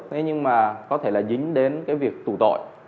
thế nhưng mà có thể là dính đến cái việc tù tội